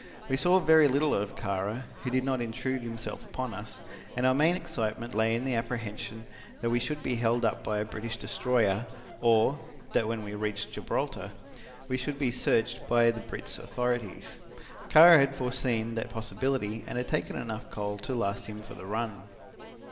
We saw very little of Kara, who did not intrude himself upon us, and our main excitement lay in the apprehension that we should be held up by a British destroyer or, that when we reached Gibraltar, we should be searched by the Brit's authorities. Kara had foreseen that possibility and had taken in enough coal to last him for the run.